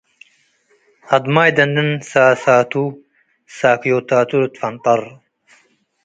አድማይ ደንን ሳሳቱ - ሳክዮታቱ ልትፈንጠር